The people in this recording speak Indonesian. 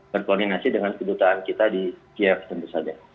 berkoordinasi dengan kedutaan kita di kiev tentu saja